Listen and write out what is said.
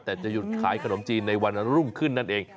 แต่จะหยุดขายขนมจีนในวันรุ่งขึ้นนั่นเอง